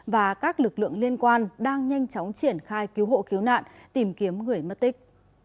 và các lực lượng liên quan đang nhanh chóng triển khai cứu hộ cứu nạn tìm kiếm người mất tích